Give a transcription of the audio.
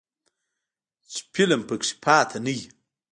چې فلم پکې پاتې نه وي.